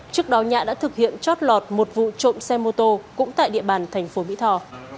trước đó nhạ đã thực hiện chót lọt một vụ trộm xe mô tô cũng tại địa bàn thành phố mỹ tho